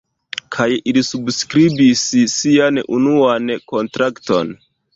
Kaj ili subskribis sian unuan kontrakton.